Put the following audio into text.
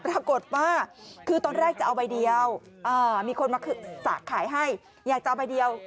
ปรากฏว่าคือตอนแรกจะเอาใบเดียวมีคนมาขายให้อยากจะเอาใบเดียว